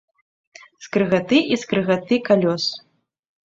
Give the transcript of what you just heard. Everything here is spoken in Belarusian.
Скрыгаты і скрыгаты калёс.